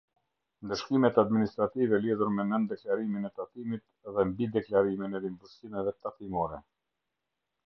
Ndëshkimet administrative lidhur me nën deklarimin e tatimit dhe mbi deklarimin e rimbursimeve tatimore.